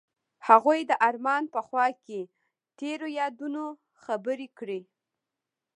هغوی د آرمان په خوا کې تیرو یادونو خبرې کړې.